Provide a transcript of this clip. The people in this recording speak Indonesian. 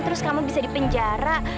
terus kamu bisa di penjara